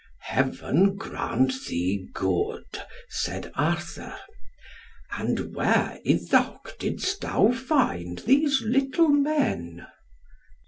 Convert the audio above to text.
"Heaven grant thee good," said Arthur. "And where, Iddawc, didst thou find these little men?"